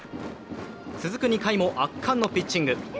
続く２回も圧巻のピッチング。